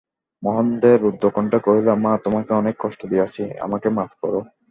মহেন্দ্র রুদ্ধকন্ঠে কহিল, মা, তোমাকে অনেক কষ্ট দিয়াছি, আমাকে মাপ করো।